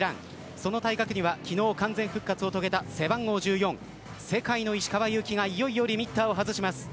その対角には昨日完全復活を遂げた背番号１４世界の石川祐希がいよいよリミッターを外します。